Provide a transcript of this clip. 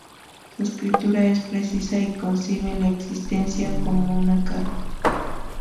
Su escritura es precisa y concibe la existencia como una carga.